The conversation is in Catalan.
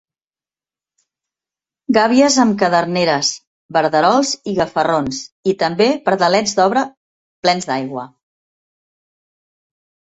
Gàbies amb caderneres, verderols i gafarrons, i també pardalets d’obra plens d’aigua.